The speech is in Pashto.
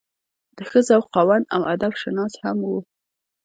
د ښۀ ذوق خاوند او ادب شناس هم وو